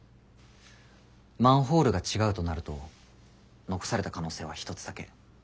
マンホールが違うとなると残された可能性は一つだけ。